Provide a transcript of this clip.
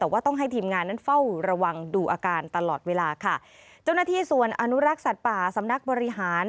แต่ว่าต้องให้ทีมงานนั้นเฝ้าระวังดูอาการตลอดเวลาค่ะเจ้าหน้าที่ส่วนอนุรักษ์สัตว์ป่าสำนักบริหาร